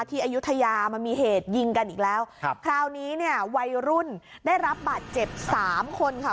อายุทยามันมีเหตุยิงกันอีกแล้วครับคราวนี้เนี่ยวัยรุ่นได้รับบาดเจ็บสามคนค่ะ